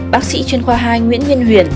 bác sĩ chuyên khoa hai nguyễn nguyên huyền